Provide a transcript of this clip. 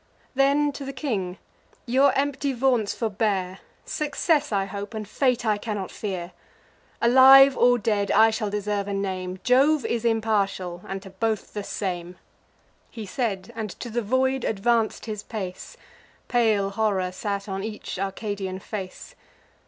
Then to the king: "Your empty vaunts forbear; Success I hope, and fate I cannot fear; Alive or dead, I shall deserve a name; Jove is impartial, and to both the same." He said, and to the void advanc'd his pace: Pale horror sate on each Arcadian face.